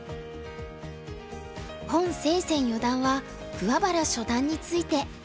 洪清泉四段は桑原初段について。